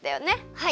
はい。